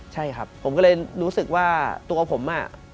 ใช่ครับผมก็เลยรู้สึกว่าตัวผมอ่ะ